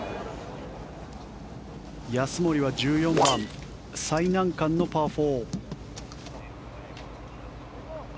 安森は１４番、最難関のパー４。